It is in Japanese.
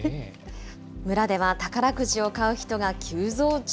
村では宝くじを買う人が急増中。